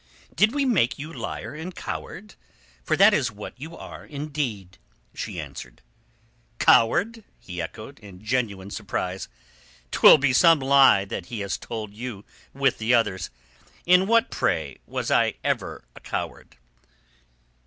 "Did we make you liar and coward?—for that is what you are indeed," she answered. "Coward?" he echoed, in genuine surprise. "'Twill be some lie that he has told you with the others. In what, pray, was I ever a coward?"